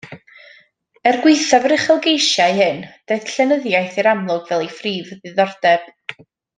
Er gwaethaf yr uchelgeisiau hyn, daeth llenyddiaeth i'r amlwg fel ei phrif ddiddordeb.